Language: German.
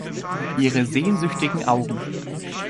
Ihre sehnsüchtigen Augen!